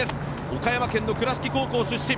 岡山県の倉敷高校出身。